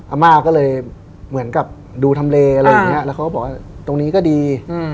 อาม่าก็เลยเหมือนกับดูทำเลอะไรอย่างนี้แล้วเขาก็บอกว่าตรงนี้ก็ดี